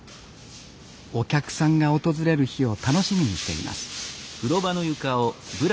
お客さんが訪れる日を楽しみにしています